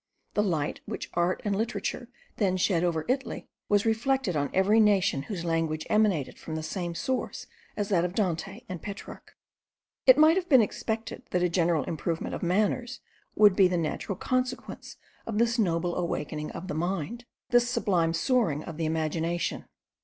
The light which art and literature then shed over Italy, was reflected on every nation whose language emanated from the same source as that of Dante and Petrarch. It might have been expected that a general improvement of manners would be the natural consequence of this noble awakening of the mind, this sublime soaring of the imagination.